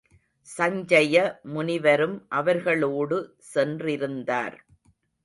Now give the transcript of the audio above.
சஞ்சய முனிவரும் அவர்களோடு சென்றிருந்தார்.